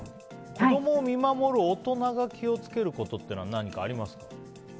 子供を見守る大人が気を付けることは何かありますか？